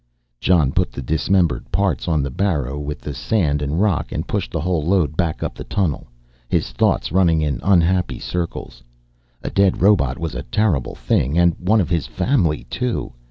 Jon put the dismembered parts on the barrow with the sand and rock and pushed the whole load back up the tunnel, his thoughts running in unhappy circles. A dead robot was a terrible thing, and one of his family too.